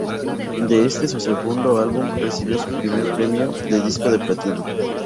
De este su segundo álbum, recibió su primer premio de disco de platino.